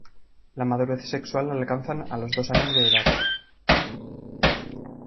La madurez sexual la alcanzan a los dos años de edad.